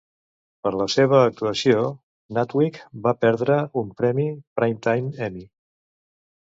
Per la seva actuació, Natwick va perdre un Premi Primetime Emmy.